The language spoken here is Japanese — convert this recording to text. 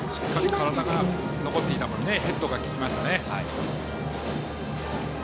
体が残っていた分ヘッドが利きましたね。